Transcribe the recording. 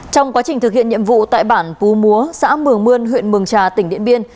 trong quá trình thực hiện nhiệm vụ tại bản púa xã mường mươn huyện mường trà tỉnh điện biên